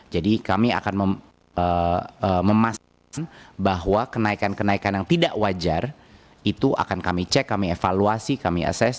jadi kami akan memastikan bahwa kenaikan kenaikan yang tidak wajar itu akan kami cek kami evaluasi kami ases